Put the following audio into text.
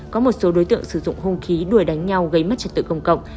có một số đối tượng sử dụng hung khí đuổi đánh nhau gây mất trật tự công cộng